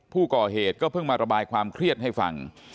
ผู้ก่อเหตุก็เพิ่งมาระบายความเครียดให้ฟัง